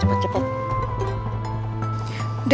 aku tak bisa menangis lagi